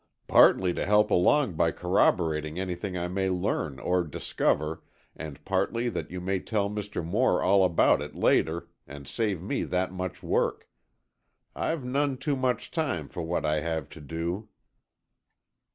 "Partly to help along by corroborating anything I may learn or discover and partly that you may tell Mr. Moore all about it later, and save me that much work. I've none too much time for what I have to do."